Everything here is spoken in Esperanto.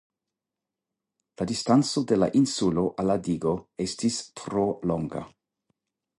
La distanco de la Insulo al la digo estis tro longa.